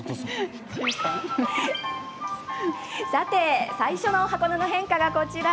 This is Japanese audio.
さて、最初の箱根の変化がこちら。